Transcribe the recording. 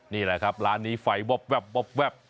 นี่แหละครับร้านนี้ไฟวับ